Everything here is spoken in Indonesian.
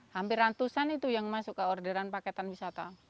hampir ratusan itu yang masuk ke orderan paketan wisata